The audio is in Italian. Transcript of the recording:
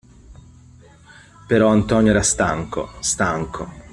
Però Antonio era stanco, stanco.